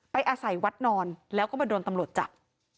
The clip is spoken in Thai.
อาศัยวัดนอนแล้วก็มาโดนตำรวจจับ